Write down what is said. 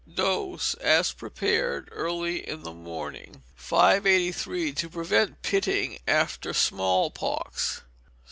Dose, as prepared, early in the morning. 583. To Prevent Pitting after Small Pox.